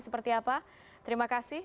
seperti apa terima kasih